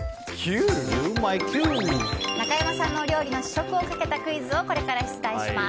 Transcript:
中山さんのお料理の試食をかけたクイズをこれから出題します。